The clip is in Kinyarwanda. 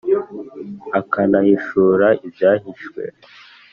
akanahishura ibyahishwe.